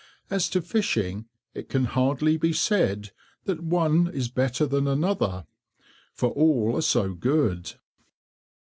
As to fishing, it can hardly be said that one is better than another, for all are so good.